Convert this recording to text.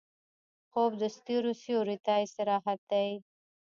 خوب د ستوريو سیوري ته استراحت دی